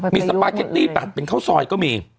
มีสปาเกตตี้ตัดเป็นข้าวซอยก็มี